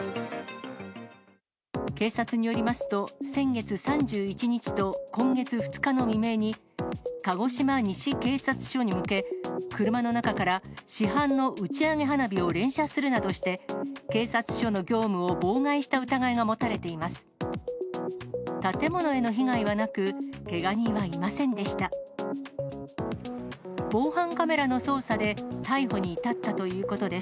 警察によりますと、先月３１日と今月２日の未明に、鹿児島西警察署に向け、車の中から市販の打ち上げ花火を連射するなどして、警察署の業務を妨害した疑いが持たれています。